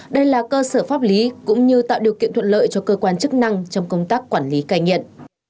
đây là cơ sở pháp lý cũng như tạo điều kiện thuận lợi cho cơ quan chức năng trong công tác quản lý cai nghiện